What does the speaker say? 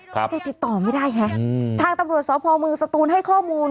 แต่ติดต่อไม่ได้แหะทางตำรวจสพมสตูนให้ข้อมูล